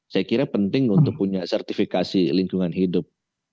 saya kira penting untuk punya sertifikasi lingkungan hidup